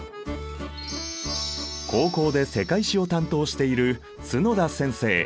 高校で世界史を担当している角田先生。